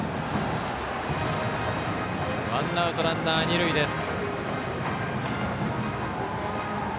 ワンアウトランナー、二塁です。